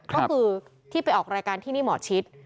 ก็คือที่ไปออกรายการที่นี่หมอชิด